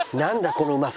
このうまさ。